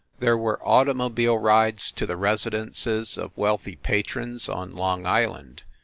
There were automobile rides to the residences of wealthy patrons on Long Island.